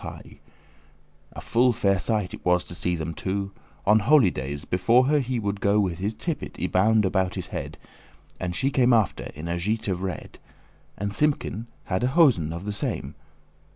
*magpie A full fair sight it was to see them two; On holy days before her would he go With his tippet* y bound about his head; *hood And she came after in a gite* of red, *gown <3> And Simkin hadde hosen of the same.